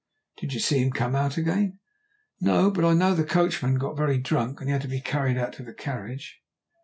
"Did you see him come out again?" "No. But I know the coachman got very drunk, and had to be carried out to the carriage."